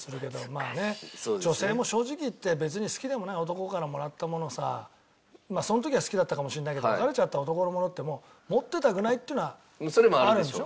まあね女性も正直言って別に好きでもない男からもらったものをさまあその時は好きだったかもしれないけど別れちゃった男のものってもう持っていたくないっていうのはあるんでしょ？